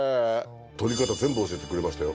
撮り方全部教えてくれましたよ。